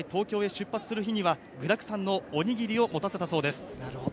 今回、東京へ出発する日には具だくさんのおにぎりを持たせたそうです。